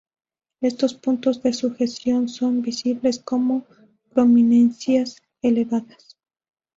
Estos puntos de sujeción son visibles como prominencias elevadas.